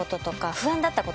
不安だった事？